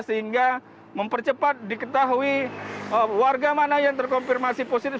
sehingga mempercepat diketahui warga mana yang terkonfirmasi positif